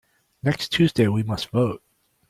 Next Tuesday we must vote.